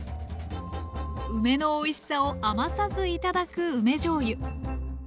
梅のおいしさを余さず頂く梅じょうゆ。